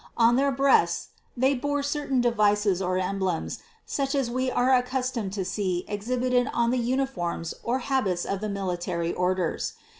On their breasts they bore certain devices or emblems, such as we are accustomed to see exhibited in the uniforms or habits of the military orders.